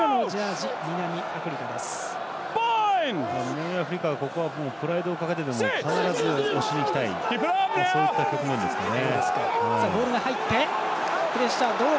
南アフリカはここはプライドをかけても必ず押しにいきたい局面ですね。